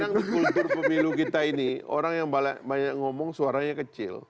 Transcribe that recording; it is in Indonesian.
jadi kultur pemilu kita ini orang yang banyak ngomong suaranya kecil